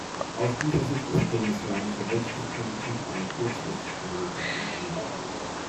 Aus dieser Sicht ist keynesianische Wirtschaftspolitik eine kurzfristig angelegte Strategie.